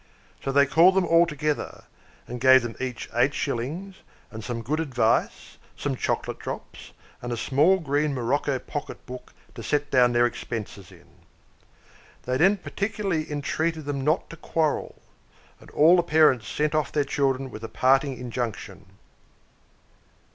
So they called them all together, and gave them each eight shillings and some good advice, some chocolate drops, and a small green morocco pocket book to set down their expenses in. They then particularly entreated them not to quarrel; and all the parents sent off their children with a parting injunction.